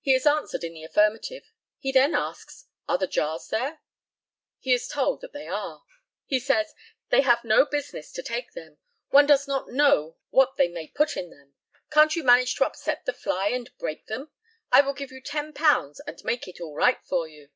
He is answered in the affirmative. He then asks, "Are the jars there?" He is told that they are. He says, "They have no business to take them; one does not know what they may put in them. Can't you manage to upset the fly and break them? I will give you £10, and make it all right for you."